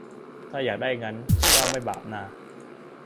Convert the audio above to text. ถ้าอยากได้งั้น ก็ไม่บาปนา